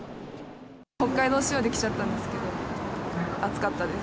北海道仕様で来ちゃったんですけど、暑かったです。